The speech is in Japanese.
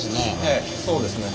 ええそうですね。